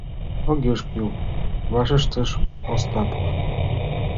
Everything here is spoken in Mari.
— Огеш кӱл, — вашештыш Остапов.